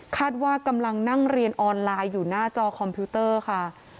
กำลังนั่งเรียนออนไลน์อยู่หน้าจอคอมพิวเตอร์ค่ะ